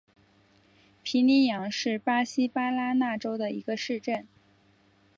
皮尼扬是巴西巴拉那州的一个市镇。